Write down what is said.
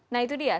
nah itu dia